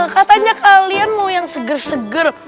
katanya kalian mau yang seger seger